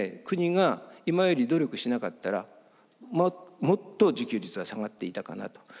国が今より努力しなかったらもっと自給率が下がっていたかなと。